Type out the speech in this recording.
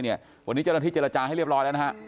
วันนี้เจ้าหน้าที่เจรจาให้เรียบร้อยแล้วนะฮะ